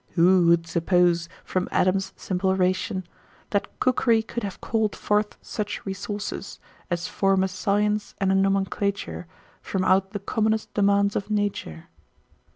Who would suppose, from Adam's simple ration, That cookery could have call'd forth such resources, As form a science and a nomenclature From out the commonest demands of nature?"